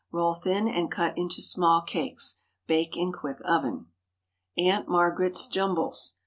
Roll thin and cut into small cakes. Bake in quick oven. AUNT MARGARET'S JUMBLES.